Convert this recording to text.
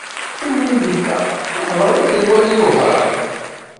Timlilit-a, iḥḍer-tt lwali n Wehran.